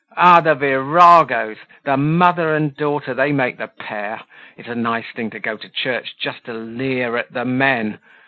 "Ah! the viragos! The mother and daughter, they make the pair. It's a nice thing to go to church just to leer at the men.